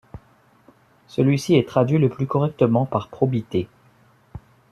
Celui-ci est traduit le plus correctement par probité.